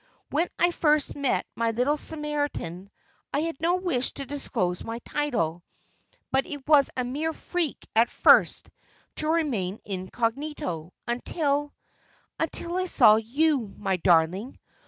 When I first met my little Samaritan I had no wish to disclose my title; but it was a mere freak at first to remain incognito, until until I saw you, my darling.